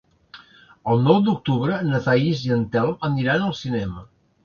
El nou d'octubre na Thaís i en Telm aniran al cinema.